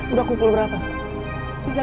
udah kumpul berapa